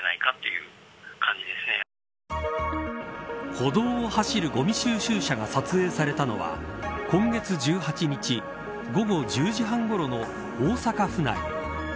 歩道を走るごみ収集車が撮影されたのは今月１８日午後１０時半ごろの大阪府内。